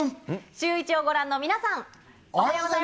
シューイチをご覧の皆さん。